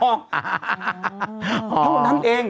เพราะนั้นเอง